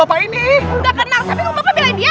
tapi bapak bilang dia